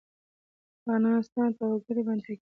افغانستان په وګړي باندې تکیه لري.